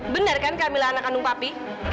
benar kan camillah anak kandung papi